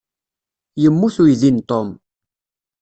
Yemmut uydi n Tom.